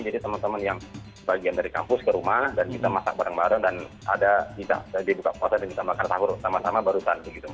jadi teman teman yang bagian dari kampus ke rumah dan kita masak bareng bareng dan ada di buka puasa dan kita makan sahur sama sama baru tadi